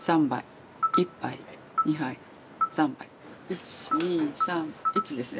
１２３１ですね。